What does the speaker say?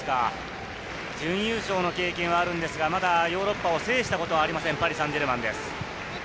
準優勝の経験はあるんですが、まだヨーロッパを制したことはありません、パリ・サンジェルマンです。